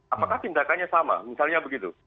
apakah tindakannya sama misalnya begitu